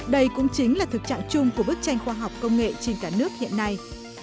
đây cũng chính là thực trạng chung của bức tranh khoa học công nghệ trên cả nước hiện nay